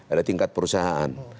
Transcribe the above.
ada tingkat perusahaan